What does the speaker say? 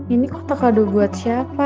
ini kotak kado buat siapa